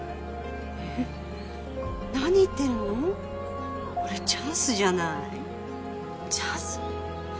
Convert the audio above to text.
え何言ってるのこれチャンスじゃないチャンス？